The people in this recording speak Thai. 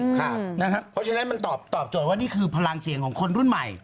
เพราะฉะนั้นมันตอบโจทย์ว่านี่คือพลังเสียงของคนรุ่นใหม่